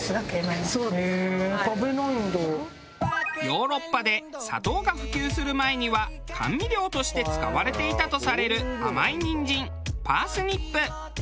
ヨーロッパで砂糖が普及する前には甘味料として使われていたとされる甘いニンジンパースニップ。